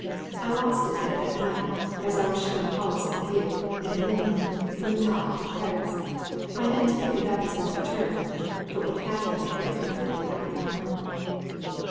I lost it there that night, as I was showing Hollis the view, in the moonlight, from the top of the crags. I meant to pick it up as we returned, but what happened put it completely out of my mind.